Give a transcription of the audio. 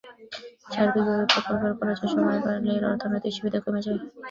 সার্বিকভাবে প্রকল্পের খরচ ও সময় বাড়লে এর অর্থনৈতিক সুবিধা কমে যায়।